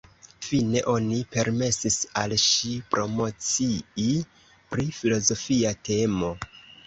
Fine oni permesis al ŝi promocii pri filozofia temo.